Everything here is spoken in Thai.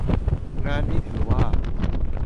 งานนี้ถือว่า